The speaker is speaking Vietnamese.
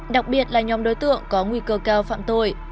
đặc biệt là nhóm đối tượng có nguy cơ cao phạm tội